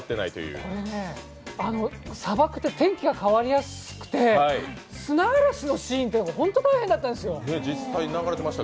これね、砂漠って天気が変わりやすくて、砂嵐のシーンというのが本当に大変だったんですよ。